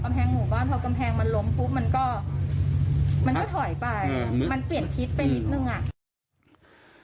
กำแพงหมู่บ้านเพราะว่ากำแพงมันล้มปุ๊บมันก็ถอยไปมันเปลี่ยนทิศไปนิดหนึ่ง